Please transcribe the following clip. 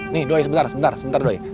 nih doi sebentar sebentar sebentar doi